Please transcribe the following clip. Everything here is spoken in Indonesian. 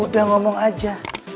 udah ngomong aja